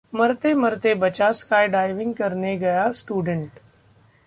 मरते-मरते बचा skydiving करने गया स्टूडेंट